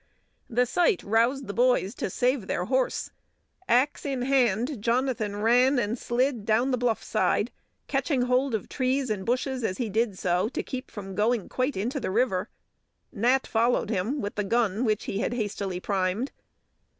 The sight roused the boys to save their horse. Axe in hand, Jonathan ran and slid down the bluff side, catching hold of trees and bushes as he did so, to keep from going quite into the river. Nat followed him, with the gun which he had hastily primed.